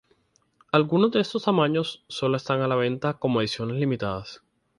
Algunos de estos tamaños solo están a la venta como ediciones limitadas.